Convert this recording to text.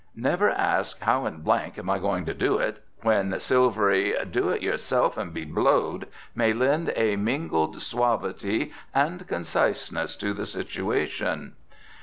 Never ask, "How in am I going to do it?" when silvery "Do it youself, and be blowed!" may lend a mingled suavity and conciseness to the situation.